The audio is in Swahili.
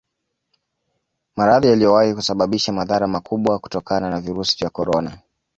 Maradhi yaliyowahi kusababisha madhara makubwa kutokana na virusi vya Corona